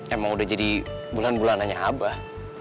emang udah jadi bulan bulanannya abah